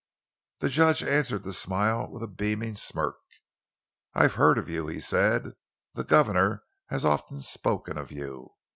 The judge answered the smile with a beaming smirk. "I've heard of you," he said; "the governor has often spoken of you."